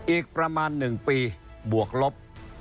อีกประมาณ๑ปีบวกลบ